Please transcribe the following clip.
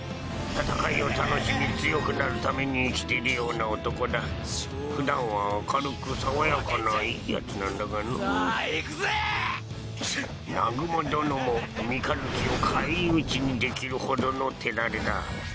戦いを楽しみ強くなるために生きているような男だふだんは明るく爽やかないいヤツなんだがのう南雲殿も三日月を返り討ちにできるほどの手だれだ